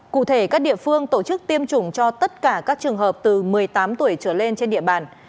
cụ thể các địa phương tổ chức tiêm chủng cho tất cả các trường hợp từ một mươi tám tuổi trở lên trên địa bàn